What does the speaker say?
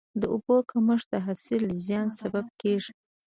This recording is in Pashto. د اوبو کمښت د حاصل زیان سبب کېږي.